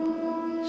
aku tidak akan pudar